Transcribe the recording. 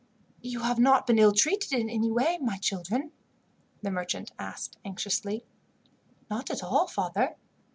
"You have not been ill treated in any way, my children?" the merchant asked anxiously. "Not at all, father.